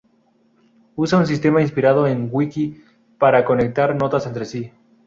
Usa un sistema inspirado en wiki para conectar notas entre sí.